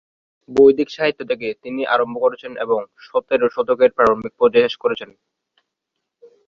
বৈদিক সাহিত্য থেকে তিনি আরম্ভ করেছেন এবং সতের শতকের প্রারম্ভিক পর্যায়ে শেষ করেছেন।